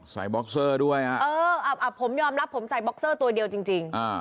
ใส่บ็อกเซอร์ด้วยผมยอมรับผมใส่บ็อกเซอร์ตัวเดียวจริง